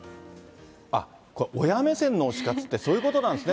これ、親目線の推し活って、そういうことなんですね。